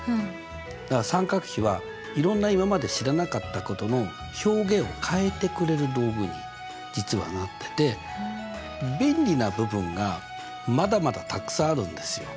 だから三角比はいろんな今まで知らなかったことの表現を変えてくれる道具に実はなってて便利な部分がまだまだたくさんあるんですよ。